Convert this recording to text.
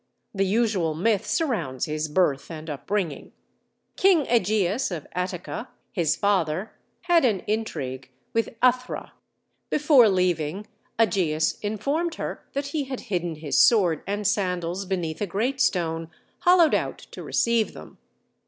The usual myth surrounds his birth and upbringing. King Ægeus, of Attica, his father, had an intrigue with Æthra. Before leaving, Ægeus informed her that he had hidden his sword and sandals beneath a great stone, hollowed out to receive them.